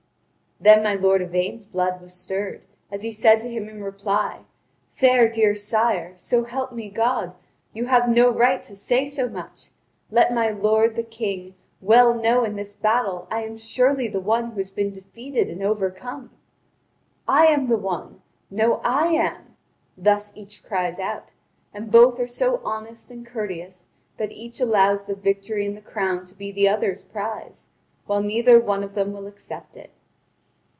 Then my lord Yvain's blood was stirred, as he said to him in reply: "Fair dear sire, so help me God, you have no right to say so much. Let my lord, The King, well know in this battle I am surely the one who has been defeated and overcome!" "I am the one" "No, I am." Thus each cries out, and both are so honest and courteous that each allows the victory and crown to be the other's prize, while neither one of them will accept it.